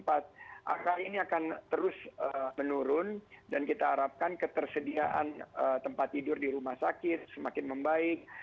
angka ini akan terus menurun dan kita harapkan ketersediaan tempat tidur di rumah sakit semakin membaik